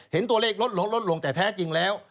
เห็นตัวเลขลดลงลดลงแต่แท้จริงแล้ว